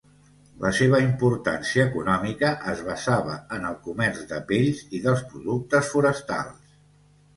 La seva importància econòmica es basava en el comerç de pells i dels productes forestals.